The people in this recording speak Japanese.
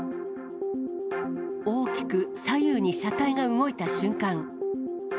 大きく左右に車体が動いた瞬間。